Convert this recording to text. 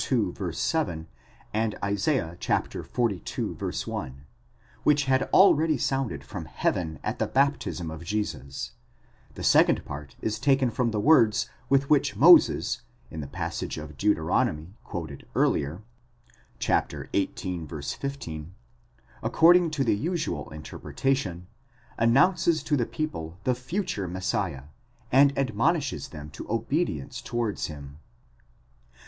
ii. 7, and Isa. xlii. 1, which had already sounded from heaven at the baptism of Jesus; the second part is taken from the words with which Moses, in the passage of Deuteronomy quoted earlier (xviii. 15), according to the usual interpretation, announces to the people the future Messiah, and admonishes them to obedience towards him.!